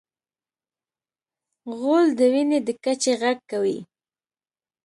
غول د وینې د کچې غږ کوي.